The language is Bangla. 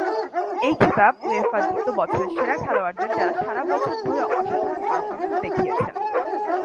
এই খেতাব উয়েফা দিত বছরের সেরা খেলোয়াড়দের যারা সারা বছর ধরে অসাধারণ পারফরম্যান্স দেখিয়েছেন।